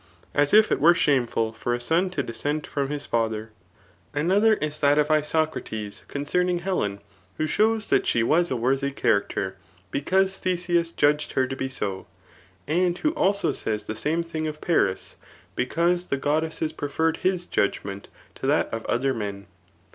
As if it were shameful for a son to dissent from his father. 184 TH£ ART oe aban lu Another is that of Isocrates concemsng Helen, wfaa shows that she was a worthy character, because Theseus judged her to be so ; and who also says the same thing of Paris, because the goddesses preferred [his judgment to that of other men.